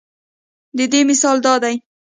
د دې مثال دا دے